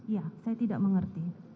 ya saya tidak mengerti